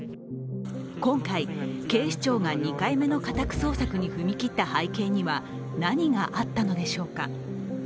今回、警視庁が２回目の家宅捜索に踏み切った背景には何があったのでしょうか。